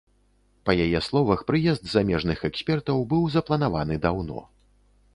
Па яе словах, прыезд замежных экспертаў быў запланаваны даўно.